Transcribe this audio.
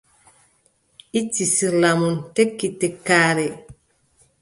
Itti sirla mum, tekki tekkaare.